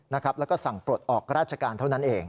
แล้วก็สั่งปลดออกราชการเท่านั้นเอง